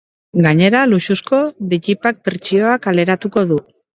Gainera, luxuzko digipack bertsioa kaleratuko du.